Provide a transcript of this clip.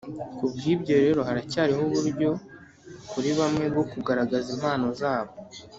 Ku bw ibyo rero harakiriho uburyo kuri bamwe bwo kugaragaza impano zabo